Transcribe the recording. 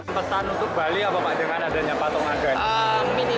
pesan untuk bali apa pak dengan adanya patung ada ini